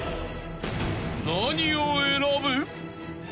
［何を選ぶ？］